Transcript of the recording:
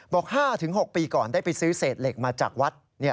๕๖ปีก่อนได้ไปซื้อเศษเหล็กมาจากวัด